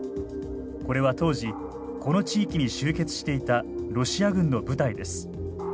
これは当時この地域に集結していたロシア軍の部隊です。